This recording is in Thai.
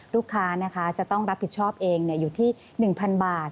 ลูกค้านะคะจะต้องรับผิดชอบเองอยู่ที่๑๐๐๐บาท